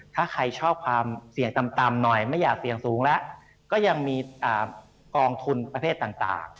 ถ้าใครชอบความเสี่ยงต่ำหน่อยไม่อยากเสี่ยงสูงแล้วก็ยังมีกองทุนประเภทต่าง